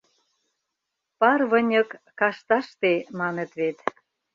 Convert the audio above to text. Пар выньык кашташте, маныт вет.